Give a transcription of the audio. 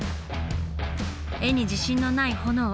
絵に自信のないホノオ。